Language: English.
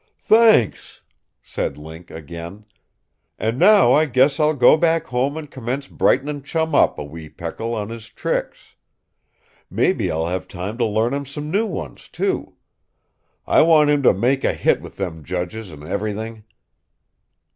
"Thanks!" said Link, again. "An' now I guess I'll go back home an' commence brightenin' Chum up, a wee peckle, on his tricks. Maybe I'll have time to learn him some new ones, too. I want him to make a hit with them judges, an' everything."